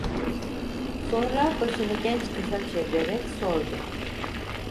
Sonra başını genç kıza çevirerek sordu: